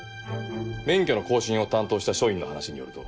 免許の更新を担当した署員の話によると。